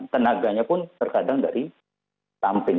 tenaganya pun terkadang dari samping